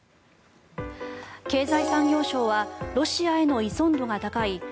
経済産業省はロシアへの依存度が高い